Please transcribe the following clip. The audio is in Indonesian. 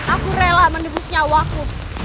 aku rela menebus nyawaku